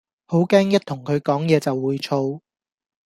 好驚一同佢講野就會燥